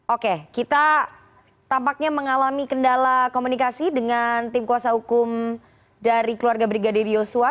oke kita tampaknya mengalami kendala komunikasi dengan tim kuasa hukum dari keluarga brigadir yosua